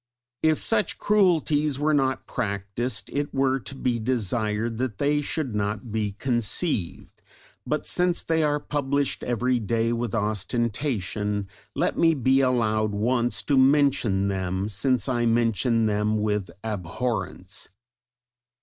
If such cruelties were not practised it were to be desired that they should not be conceived; but, since they are published every day with ostentation, let me be allowed once to mention them, since I mention them with abhorrence.